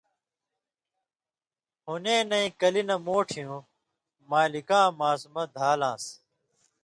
حُنېنَیں کلیۡ نہ موٹھیُوں مالکاں ماسُمہ دھا لان٘س۔